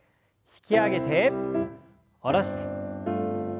引き上げて下ろします。